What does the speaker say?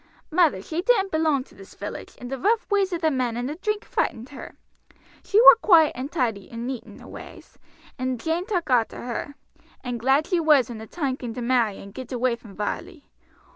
Mother she didn't belong to this village, and the rough ways of the men and the drink frightened her. She war quiet and tidy and neat in her ways, and Jane took arter her, and glad she was when the time came to marry and get away from Varley.